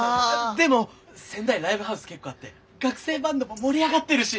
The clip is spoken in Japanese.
でも仙台ライブハウス結構あって学生バンドも盛り上がってるし。